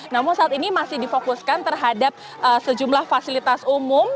namun saat ini masih difokuskan terhadap sejumlah fasilitas umum